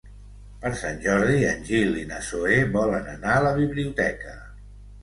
Per Sant Jordi en Gil i na Zoè volen anar a la biblioteca.